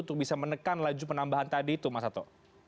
untuk bisa menekan laju penambahan tadi itu mas sato